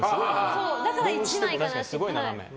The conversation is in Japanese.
だから、１枚かなって。